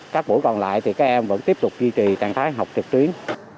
các buổi còn lại thì các em vẫn tiếp tục duy trì trạng thái học trực tuyến